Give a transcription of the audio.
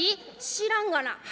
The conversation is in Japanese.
「知らんがな」。